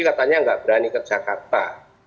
katanya nggak berani ke jakarta